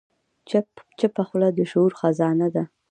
چپه خوله، د شعور خزانه ده.